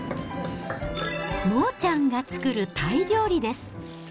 モーちゃんが作るタイ料理です。